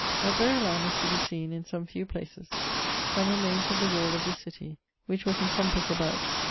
At Verulam is to be seen, in some few places, some remaines of the wall of this citie[XVII.]; which was in compass about